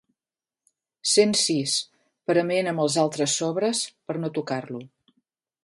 Cent sis prement amb els altres sobres per no tocar-lo.